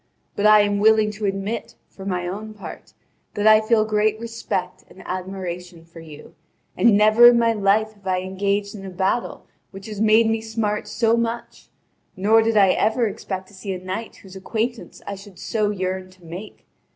But I am willing to admit, for my own part, that I feel great respect and admiration for you, and never in my life have I engaged in a battle which has made me smart so much, nor did I ever expect to see a knight whose acquaintance I should so yearn to make.